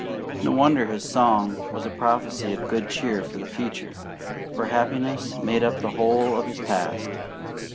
No wonder his song was a prophecy of good cheer for the future, for happiness made up the whole of his past.